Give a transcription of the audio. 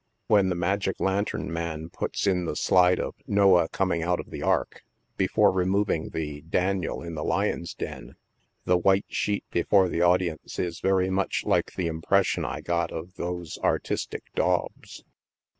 When the magic lantern man puts in the slide of " Noah coming out of the Ark" before removing the " Daniel in the Lion's Den'' the white sheet before the audience is very much like the impression I got of those artistic daubs.